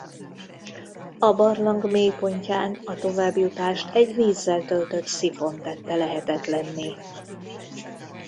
A barlang mélypontján a továbbjutást egy vízzel töltött szifon tette lehetetlenné.